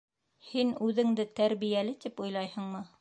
Һин үҙеңде тәрбиәле тип уйлайһыңмы?